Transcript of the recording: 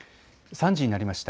３時になりました。